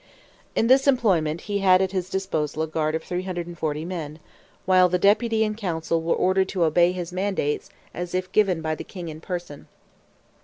In this employment he had at his disposal a guard of 340 men, while the Deputy and Council were ordered to obey his mandates as if given by the King in person.